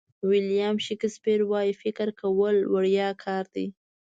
ویلیام شکسپیر وایي فکر کول وړیا کار دی.